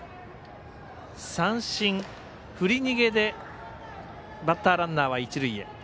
三振、振り逃げでバッターランナーは一塁へ。